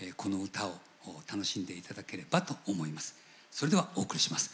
それではお送りします。